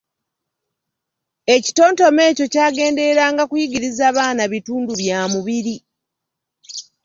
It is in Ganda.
Ekitontome ekyo kyagendereranga kuyigiriza baana bitundu bya mubiri.